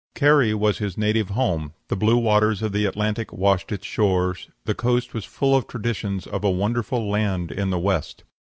Kerry was his native home; the blue waves of the Atlantic washed its shores; the coast was full of traditions of a wonderful land in the West.